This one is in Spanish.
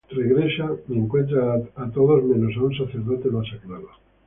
Regresan y encuentran a todos menos a un sacerdote masacrado.